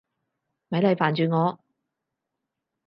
咪嚟煩住我！